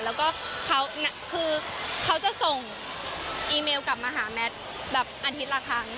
แล้วก็คือเขาจะส่งอีเมลกลับมาหาแมทแบบอาทิตย์ละครั้ง